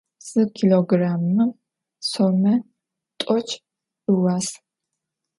Zı kilogrammım some t'oç' ıuas.